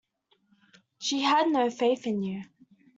She had no faith in you.